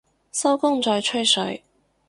收工再吹水